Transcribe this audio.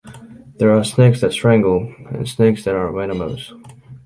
There are snakes that strangle and snakes that are venomous.